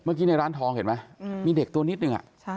เมื่อกี้ในร้านทองเห็นไหมมีเด็กตัวนิดนึง